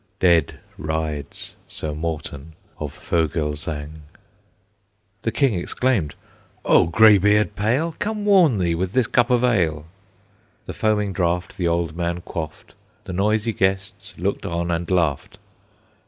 Dead rides Sir Morten of Fogelsang. The King exclaimed, "O graybeard pale! Come warm thee with this cup of ale." The foaming draught the old man quaffed, The noisy guests looked on and laughed.